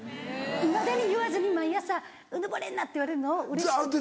いまだに言わずに毎朝「うぬぼれんな」って言われるのをうれしくて。